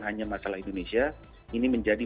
hanya masalah indonesia ini menjadi